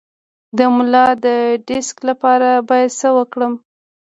د ملا د ډیسک لپاره باید څه وکړم؟